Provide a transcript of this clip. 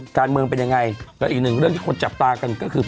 การเมืองเป็นยังไงและอีกหนึ่งเรื่องที่คนจับตากันก็คือ